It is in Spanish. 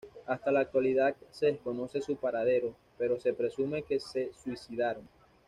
Hasta la actualidad se desconoce su paradero, pero se presume que se suicidaron.